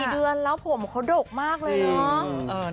เดือนแล้วผมเขาดกมากเลยเนาะ